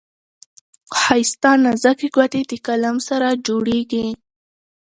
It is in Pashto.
ښايسته نازكي ګوتې دې قلم سره جوړیږي.